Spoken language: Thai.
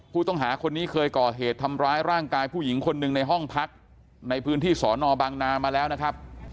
ผู้ต้องหาคนนี้เคยก่อเหตุทำร้ายร่างกายผู้หญิงคนหนึ่งในห้องพักในพื้นที่สอนอบางนามาแล้วนะครับ